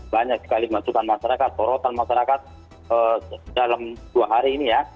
banyak sekali masukan masyarakat sorotan masyarakat dalam dua hari ini ya